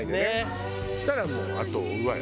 そしたらもうあとを追うわよ